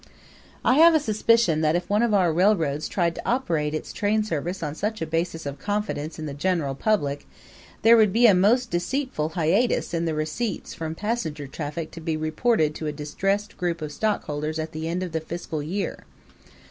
I have a suspicion that if one of our railroads tried to operate its train service on such a basis of confidence in the general public there would be a most deceitful hiatus in the receipts from passenger traffic to be reported to a distressed group of stockholders at the end of the fiscal year.